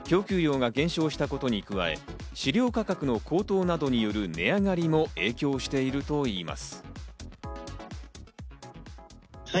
供給量が減少したことに加え、飼料価格の高騰などによる値上がりも影響しているといいます。